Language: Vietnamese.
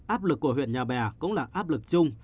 áp lực của huyện nhà bè cũng là áp lực chung